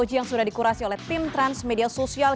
kata kata yang terkenal di sekurasi oleh tim transmedia sosial